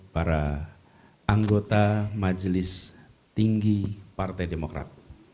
para anggota majelis tinggi partai demokrat